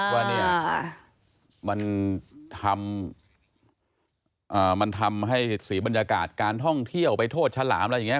ว่าเนี่ยมันทำมันทำให้สีบรรยากาศการท่องเที่ยวไปโทษฉลามอะไรอย่างนี้